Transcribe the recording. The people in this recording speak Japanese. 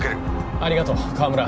ありがとう河村。